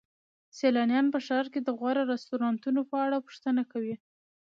سیلانیان په ښار کې د غوره رستورانتونو په اړه پوښتنه کوي.